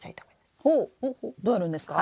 どうやるんですか？